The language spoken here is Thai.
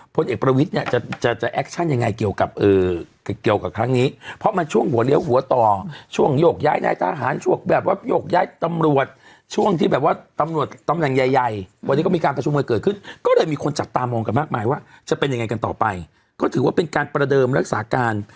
พลเอกประวิทย์เนี่ยจะจะแอคชั่นยังไงเกี่ยวกับเกี่ยวกับครั้งนี้เพราะมันช่วงหัวเลี้ยวหัวต่อช่วงโยกย้ายนายทหารชกแบบว่าโยกย้ายตำรวจช่วงที่แบบว่าตำรวจตำแหน่งใหญ่ใหญ่วันนี้ก็มีการประชุมกันเกิดขึ้นก็เลยมีคนจับตามองกันมากมายว่าจะเป็นยังไงกันต่อไปก็ถือว่าเป็นการประเดิมรักษาการ